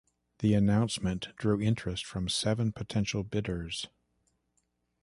The announcement drew interest from seven potential bidders.